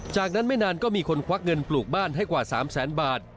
จากนั้นไม่นานก็มีคนควักเงินปลูกบ้านให้กว่า๓แสนบาท